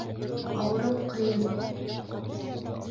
Ауырыу ҡыйын